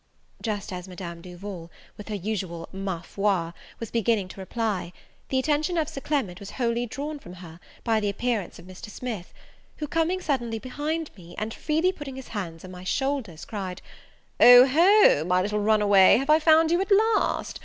Just as Madame Duval, with her usual Ma foi, was beginning to reply, the attention of Sir Clement was wholly drawn from her, by the appearance of Mr. Smith, who, coming suddenly behind me, and freely putting his hands of my shoulders, cried, "O ho, my little runaway, have I found you at last?